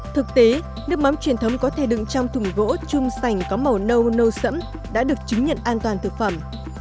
thực tế nước mắm truyền thống có thể đựng trong thùng gỗ chung sành có màu nâu nâu sẫm đã được chứng nhận an toàn thực phẩm